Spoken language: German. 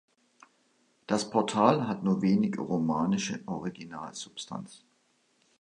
Das Portal hat nur wenig romanische Originalsubstanz.